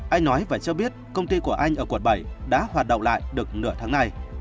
anh nói và cho biết công ty của anh ở quận bảy đã hoạt động lại được nửa tháng này